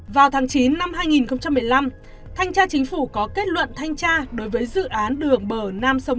vào tháng chín năm hai nghìn một mươi năm thanh tra chính phủ có kết luận thanh tra đối với dự án đường bờ nam sông